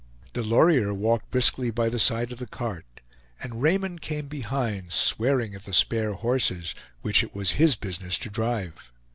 Delorier walked briskly by the side of the cart, and Raymond came behind, swearing at the spare horses, which it was his business to drive.